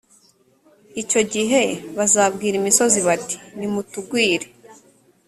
icyo gihe bazabwira imisozi bati nimutugwire